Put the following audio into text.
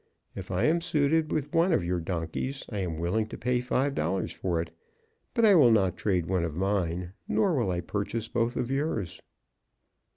If I am suited with one of your donkeys, I am willing to pay five dollars for it, but I will not trade one of mine, nor will I purchase both of yours."